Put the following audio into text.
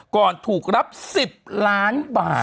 ก่อนถูกรับ๑๐ล้านบาท